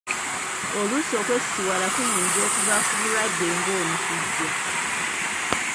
Oluusi okwesisiwala kuyinza okuva ku bulwadde ng’omusujja.